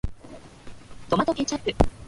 トマトケチャップ